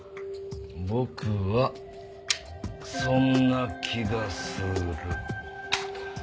僕はそんな気がする。